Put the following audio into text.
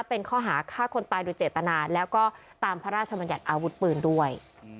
เป็นข้อหาฆ่าคนตายโดยเจตนาแล้วก็ตามพระราชบัญญัติอาวุธปืนด้วย